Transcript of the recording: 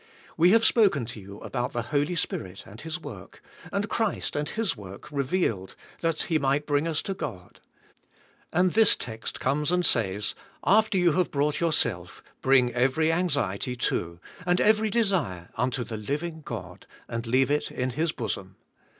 We have spoken to you about the Holy Spirit and His work, and Christ and His work revealed that He might bring us to God. And this text comes and says, After you have brought yourself, bring every anxiety, too, and every desire unto the living God, and leave it in His bosom.